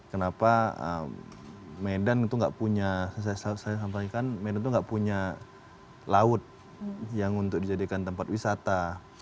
kenapa medan itu nggak punya saya sampaikan medan itu nggak punya laut yang untuk dijadikan tempat wisata